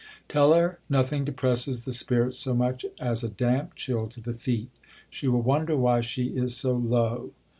Tell her nothing depresses the spirits so much as a damp chill to the feet. She will wonder why she is so low."